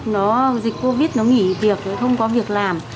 nó dịch covid nó nghỉ việc nó không có việc làm